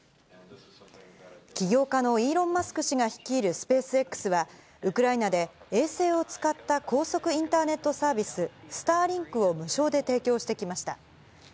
起業家のイーロン・マスク氏が率いるスペースＸは、ウクライナで衛星を使った高速インターネットサービス、スターリンクを無償で提供してきました。